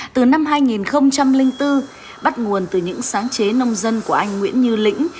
từ năm hai nghìn bốn bắt nguồn từ những sáng chế nông dân của anh nguyễn như lĩnh